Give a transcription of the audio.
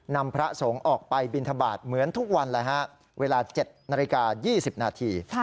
พระสงฆ์ออกไปบินทบาทเหมือนทุกวันเลยฮะเวลา๗นาฬิกา๒๐นาที